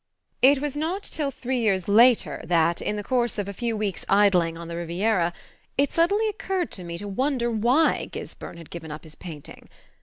It was not till three years later that, in the course of a few weeks' idling on the Riviera, it suddenly occurred to me to wonder why Gisburn had given up his painting.